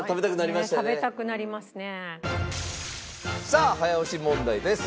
さあ早押し問題です。